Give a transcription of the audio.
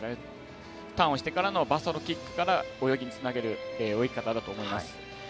ターンをしてからのバサロキックから泳ぎにつなげる泳ぎ方だと思います。